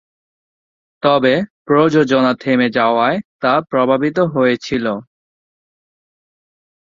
তবে প্রযোজনা থেমে যাওয়ায় তা প্রভাবিত হয়েছিল।